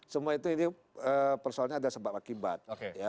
semua itu ini persoalnya ada sebab akibat